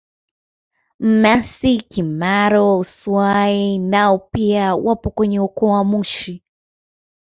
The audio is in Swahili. Mmasy Kimaro Swai nao pia wapo kwenye ukoo wa Mushi